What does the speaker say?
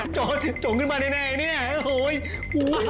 จอดจงขึ้นมาแน่เนี่ยโอ้โห